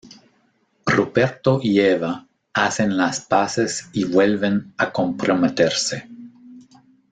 Ruperto y Eva, hacen las paces y vuelven a comprometerse.